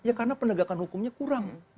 ya karena penegakan hukumnya kurang